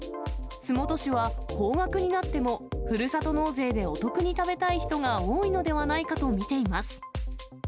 洲本市は高額になっても、ふるさと納税でお得に食べたい人が多いのではないかと見ています。